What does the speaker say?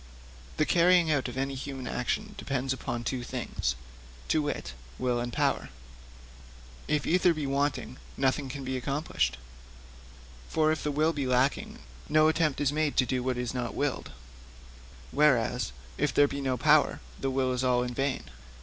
'The carrying out of any human action depends upon two things to wit, will and power; if either be wanting, nothing can be accomplished. For if the will be lacking, no attempt at all is made to do what is not willed; whereas if there be no power, the will is all in vain.